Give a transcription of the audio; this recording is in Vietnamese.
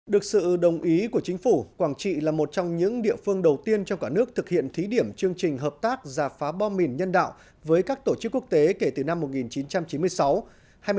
được sự đồng ý của chính phủ quảng trị là một trong những địa phương đầu tiên trong cả nước thực hiện thí điểm chương trình hợp tác giả phá bom mìn nhân đạo với các tổ chức quốc tế kể từ năm một nghìn chín trăm chín mươi sáu